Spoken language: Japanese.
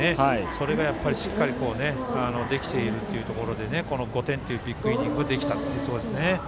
それがしっかりできているということでこの５点というビッグイニングができたというところですね。